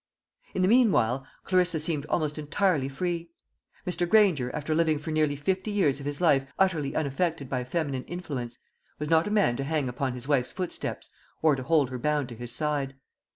In the meanwhile, Clarissa seemed almost entirely free. Mr. Granger, after living for nearly fifty years of his life utterly unaffected by feminine influence, was not a man to hang upon his wife's footsteps or to hold her bound to his side.